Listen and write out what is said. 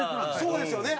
そうですよね。